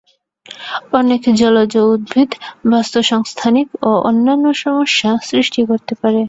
অনেক জলজ উদ্ভিদ বাস্ত্তসংস্থানিক ও অন্যান্য সমস্যা সৃষ্টি করতে পারে।